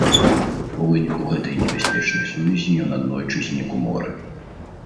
У выніку гэтай небяспечнай сувязі ён аднойчы знік у моры.